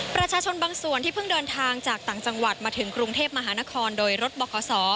ประชาชนบางส่วนที่เพิ่งเดินทางจากต่างจังหวัดมาถึงกรุงเทพมหานครโดยรถบข